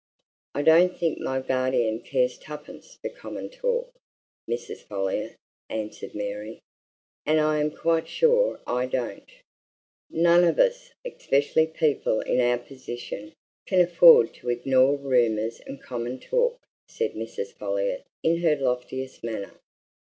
"I don't think my guardian cares twopence for common talk, Mrs. Folliot," answered Mary. "And I am quite sure I don't." "None of us especially people in our position can afford to ignore rumours and common talk," said Mrs. Folliot in her loftiest manner.